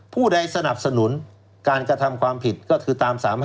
ผู้ใดสนับสนุนการกระทำความผิดก็คือตาม๓๕